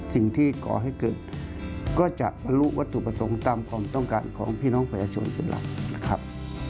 สิ่งที่ก่อให้เกิดก็จะรู้วัตถุประสงค์ตามความต้องการของพี่น้องประยาชนเป็นหลักนะครับ